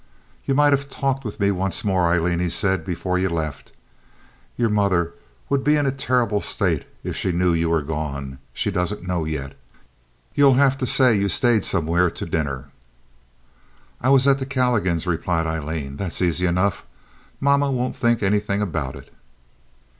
"Ye might have talked with me once more, Aileen," he said, "before ye left. Yer mother would be in a terrible state if she knew ye were gone. She doesn't know yet. Ye'll have to say ye stayed somewhere to dinner." "I was at the Calligans," replied Aileen. "That's easy enough. Mama won't think anything about it."